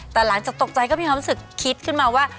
แต่หลังจากตกใจก็มีความรู้สึกคิดขึ้นมาว่า